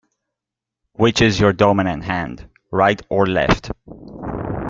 Which is your dominant hand, right or left?